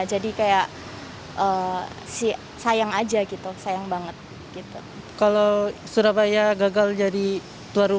jadi banyak perdebatan perdebatan yang gagal gitu